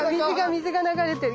水が流れてる。